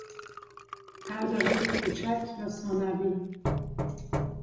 پرده های کوچک یا ثانوی